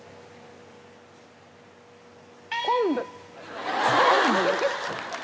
昆布？